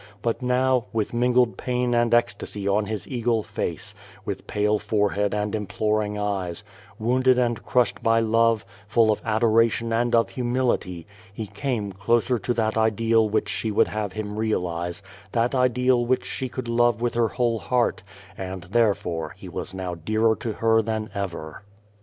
But now, with mingled pain and ecstasy on his eagle face, with pale forehead and implor ing eyes — wounded and crushed by love, full of adoration and of humility, he came closer to that ideal which she would have him realize, that ideal which she could love with her whole heart, and therefore he was now dearer to her than ever.